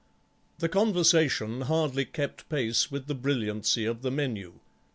The conversation hardly kept pace with the brilliancy of the menu.